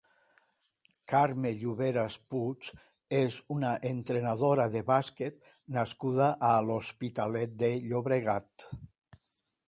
Carme Lluveras Puig és una entrenadora de bàsquet nascuda a l'Hospitalet de Llobregat.